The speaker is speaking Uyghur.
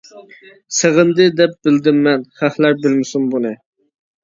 سېغىندى دەپ بىلدىممەن، خەقلەر بىلمىسۇن بۇنى.